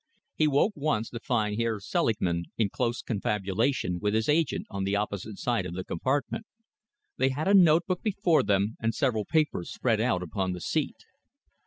He woke once to find Herr Selingman in close confabulation with his agent on the opposite side of the compartment. They had a notebook before them and several papers spread out upon the seat.